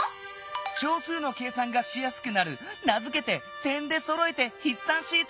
小数の計算がしやすくなる名づけて「点でそろえてひっ算シート」！